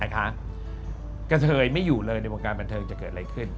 กระเทยไม่อยู่เลยในวงการบันเทิงจะเกิดอะไรขึ้น